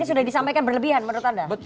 ini sudah disampaikan berlebihan menurut anda